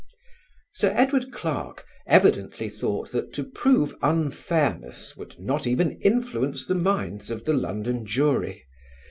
Sir Edward Clarke evidently thought that to prove unfairness would not even influence the minds of the London jury.